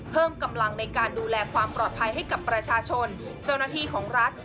เพิ่มกำลังในการดูแลความปลอดภัยให้กับประชาชนเจ้าหน้าที่ของรัฐ